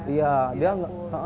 iya dia nggak